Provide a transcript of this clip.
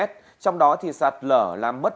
trong đó thì sạt lở làm mất